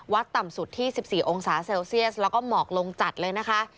ต่ำสุดที่๑๔องศาเซลเซียสแล้วก็หมอกลงจัดเลยนะคะ